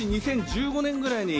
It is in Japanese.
２０１５年ぐらいに。